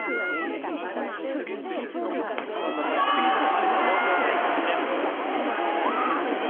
たくさんの観客に包まれた東京体育館です。